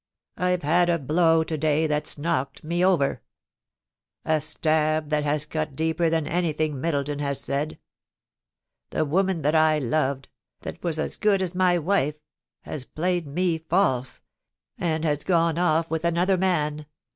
... I've had a blow to day that's 2j — 2 420 POLICY AND PASSIOJV. knocked me over — a stab that has cut deeper than anything Middleton has said. ... The woman that I loved — tha: was as good as my wife — has played me false, and has gone off with another man.